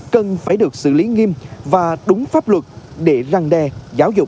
cần phải được xử lý nghiêm và đúng pháp luật để răng đe giáo dục